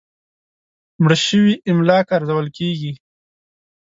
مړ شوي املاک ارزول کېږي.